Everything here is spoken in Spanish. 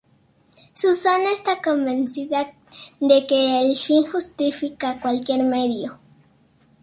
Susana está convencida de que el fin justifica cualquier medio.